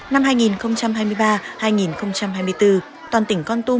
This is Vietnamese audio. năm hai nghìn hai mươi ba hai nghìn hai mươi bốn toàn tỉnh con tum